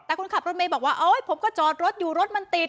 แต่คนขับรถเมย์บอกว่าโอ๊ยผมก็จอดรถอยู่รถมันติด